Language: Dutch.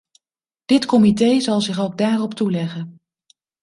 Dit comité zal zich ook daarop toeleggen.